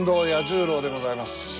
十郎でございます。